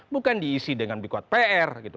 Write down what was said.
bukan diisi dengan bikuat pr gitu